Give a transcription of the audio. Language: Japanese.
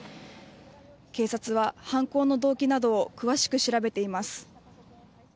警察は犯行の動機などを詳しく調べています。